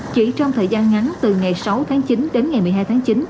chỉ trong thời gian ngắn từ ngày sáu tháng chín đến ngày một mươi hai tháng chín